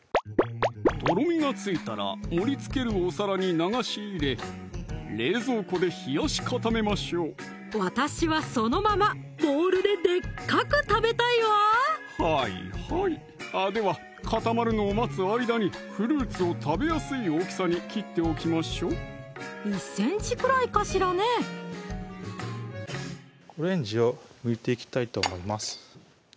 とろみがついたら盛りつけるお皿に流し入れ冷蔵庫で冷やし固めましょう私はそのままボウルででっかく食べたいわはいはいあぁでは固まるのを待つ間にフルーツを食べやすい大きさに切っておきましょう１ｃｍくらいかしらねオレンジをむいていきたいと思います